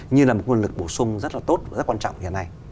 như là một nguồn lực bổ sung rất là tốt và rất quan trọng hiện nay